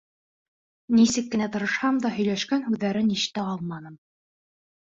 Нисек кенә тырышһам да, һөйләшкән һүҙҙәрен ишетә алманым.